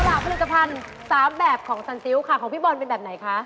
เอาล่ะผลิตภัณฑ์๓แบบของซัลซิลของพี่บอลเป็นแบบไหนคะ